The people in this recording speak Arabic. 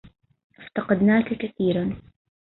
افتقدناك كثيرا!